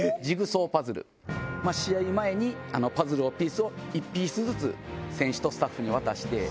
試合前にパズルのピースを１ピースずつ選手とスタッフに渡して。